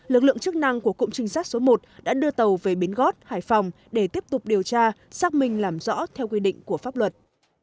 lực lượng chức năng của cụm trinh sát số một đã đưa tàu về bến gót hải phòng để tiếp tục điều tra xác minh làm rõ theo quy định của pháp luật